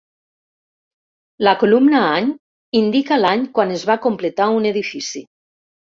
La columna "Any" indica l'any quan es va completar un edifici.